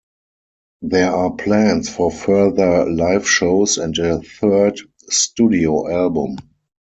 There are plans for further live shows and a third studio album.